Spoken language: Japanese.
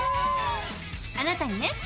あなたにね